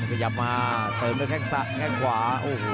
ขยับมาเติมด้วยแค่งซะแค่งขวา